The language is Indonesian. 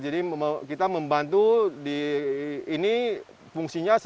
jadi kita membantu di ini fungsinya sebagainya